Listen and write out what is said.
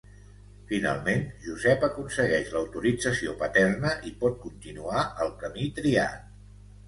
Finalment Josep aconsegueix l'autorització paterna i pot continuar el camí triat.